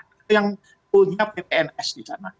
itu yang punya ppns di sana